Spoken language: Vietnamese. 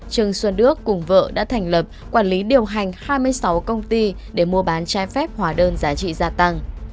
trương xuân đức cùng vợ đã thành lập quản lý điều hành hai mươi sáu công ty để mua bán trái phép hóa đơn giá trị gia tăng